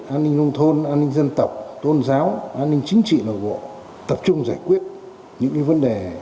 an ninh nông thôn an ninh dân tộc tôn giáo an ninh chính trị nội bộ tập trung giải quyết những vấn đề